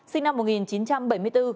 sinh năm một nghìn chín trăm bảy mươi bốn